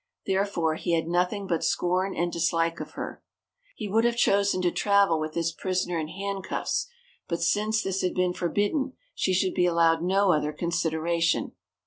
Therefore, he had nothing but scorn and dislike of her. He would have chosen to travel with his prisoner in handcuffs, but since this had been forbidden she should be allowed no other consideration.